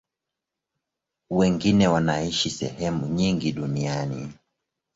Wengine wanaishi sehemu nyingi duniani.